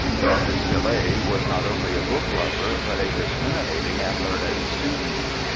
Dr. Stille was not only a book lover, but a discriminating and learned student.